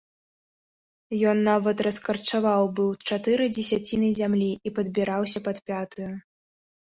Ён нават раскарчаваў быў чатыры дзесяціны зямлі і падбіраўся пад пятую.